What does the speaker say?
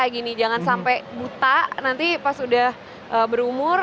jadi aku berusaha sebisa mungkin dari sosial media dari seminar